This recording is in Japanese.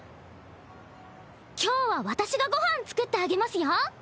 今日は私がご飯作ってあげますよ。